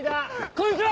こんにちは！